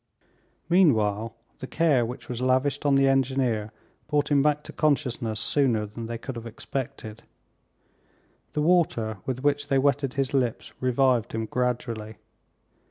Meanwhile, the care which was lavished on the engineer brought him back to consciousness sooner than they could have expected. The water with which they wetted his lips revived him gradually.